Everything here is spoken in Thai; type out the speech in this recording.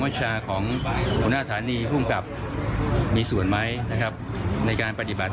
ชาของหัวหน้าฐานีภูมิกับมีส่วนไหมนะครับในการปฏิบัติ